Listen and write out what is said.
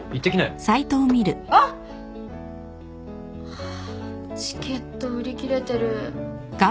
ハァチケット売り切れてる。